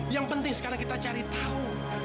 yang penting sekarang kita cari tahu